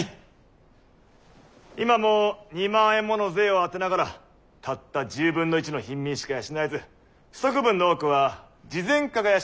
今も２万円もの税を充てながらたった１０分の１の貧民しか養えず不足分の多くは慈善家が養っておる。